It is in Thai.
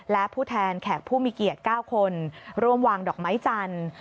และผู้แทนแขกผู้มีเกียรติ๙คนร่วมวางดอกไม้จันทร์